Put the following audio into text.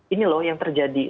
ini loh yang terjadi